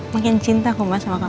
makin cinta kumah sama kamu